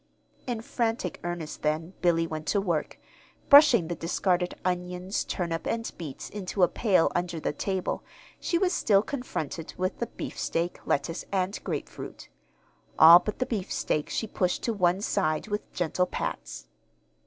In frantic earnest, then, Billy went to work. Brushing the discarded onions, turnip, and beets into a pail under the table, she was still confronted with the beefsteak, lettuce, and grapefruit. All but the beefsteak she pushed to one side with gentle pats.